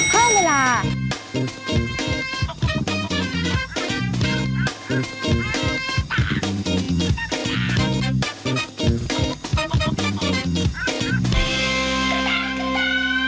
เพิ่มเวลา